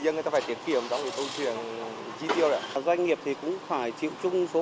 đây là lần tăng thứ hai liên tiếp trong một mươi ngày qua